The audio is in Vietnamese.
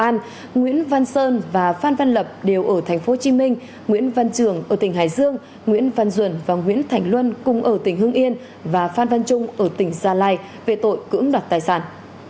nguyễn văn sơn và phan văn lập đều ở tp hcm nguyễn văn trường ở tỉnh hải dương nguyễn văn duẩn và nguyễn thành luân cùng ở tỉnh hương yên và phan văn trung ở tỉnh gia lai về tội cưỡng đoạt tài sản